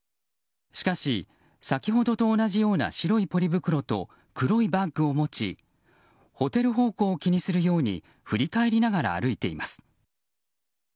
しかし、先ほどと同じような白いポリ袋と黒いバッグを持ちホテル方向を気にするように振り返りながら歩いています。